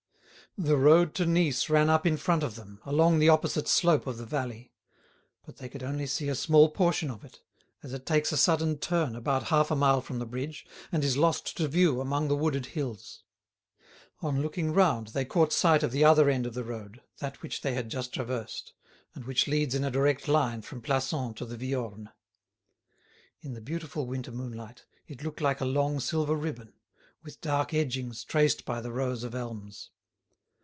The road to Nice ran up in front of them, along the opposite slope of the valley. But they could only see a small portion of it, as it takes a sudden turn about half a mile from the bridge, and is lost to view among the wooded hills. On looking round they caught sight of the other end of the road, that which they had just traversed, and which leads in a direct line from Plassans to the Viorne. In the beautiful winter moonlight it looked like a long silver ribbon, with dark edgings traced by the rows of elms.